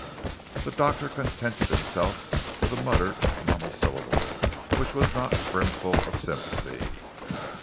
The doctor contented himself with a muttered monosyllable which was not brimful of sympathy.